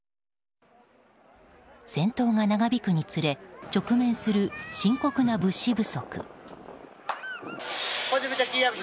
戦闘が長引くにつれ、直面する深刻な物資不足。